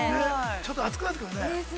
ちょっと熱くなってきますね。